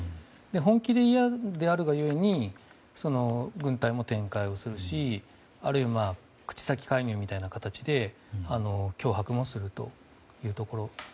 本気で嫌であるがゆえに軍隊も展開をするしあるいは口先介入みたいな形で脅迫をするというところ。